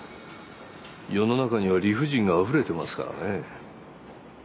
世の中には理不尽があふれてますからね。